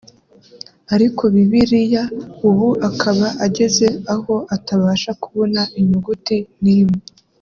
ariko Bibiriya ubu akaba ageze aho atabasha kubona inyuguti n’imwe